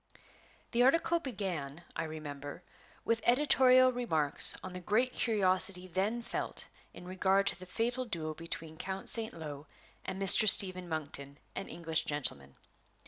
The article began, I remember, with editorial remarks on the great curiosity then felt in regard to the fatal duel between the Count St. Lo and Mr. Stephen Monkton, an English gentleman.